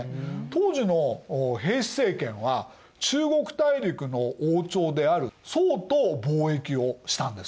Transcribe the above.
当時の平氏政権は中国大陸の王朝である宋と貿易をしたんですよ。